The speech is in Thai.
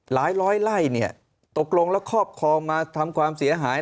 หลายไล่ตกลงแล้วครอบครองมาทำความเสียหาย